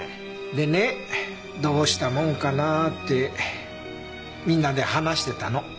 でねどうしたもんかなってみんなで話してたの。